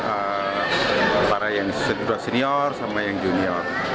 ada para yang sudah senior sama yang junior